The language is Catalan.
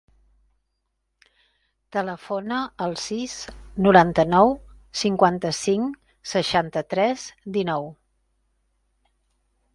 Telefona al sis, noranta-nou, cinquanta-cinc, seixanta-tres, dinou.